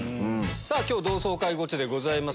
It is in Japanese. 今日同窓会ゴチでございます。